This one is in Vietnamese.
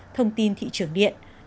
thông tin thị trường điện